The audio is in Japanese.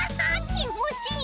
きんもちいい！